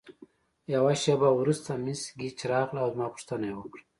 یوه شیبه وروسته مس ګیج راغله او زما پوښتنه یې وکړه.